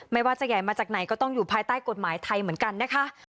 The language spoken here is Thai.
ไม่ว่าจะใหญ่มาจากไหนก็ต้องอยู่ภายใต้กฎหมายไทยเหมือนกันนะคะ